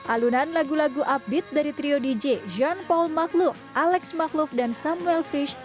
alunan lagu lagu upbeat dari trio dj jean paul makhlouf alex makhlouf dan samuel frisch